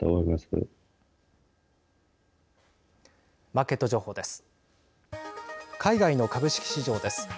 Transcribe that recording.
マーケット情報です。